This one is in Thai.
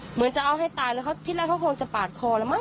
เหมือนจะเอาให้ตายแล้วที่แรกเขาคงจะปาดคอแล้วมั